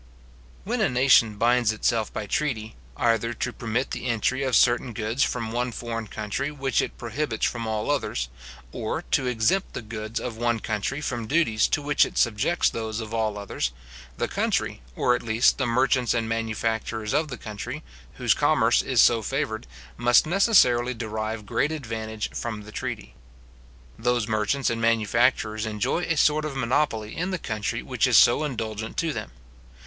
When a nation binds itself by treaty, either to permit the entry of certain goods from one foreign country which it prohibits from all others, or to exempt the goods of one country from duties to which it subjects those of all others, the country, or at least the merchants and manufacturers of the country, whose commerce is so favoured, must necessarily derive great advantage from the treaty. Those merchants and manufacturers enjoy a sort of monopoly in the country which is so indulgent to them.